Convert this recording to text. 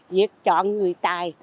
việc chọn người tài